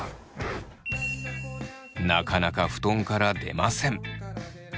なかなか布団から出ません。